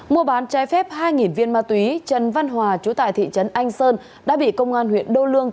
mua bán trái phép hai viên ma túy trần văn hòa chú tại thị trấn anh sơn đã bị công an huyện đô lương